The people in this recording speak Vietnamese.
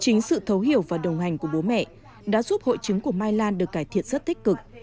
chính sự thấu hiểu và đồng hành của bố mẹ đã giúp hội chứng của mai lan được cải thiện rất tích cực